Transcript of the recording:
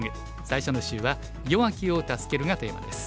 最初の週は「弱きを助ける」がテーマです。